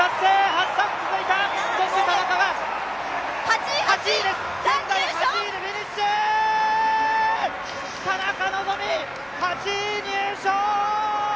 ハッサン続いた、そして田中が８位です、８位でフィニッシュ、田中希実、８位入賞。